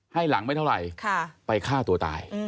ให้หลังไม่เท่าไหร่ไปฆ่าตัวตาย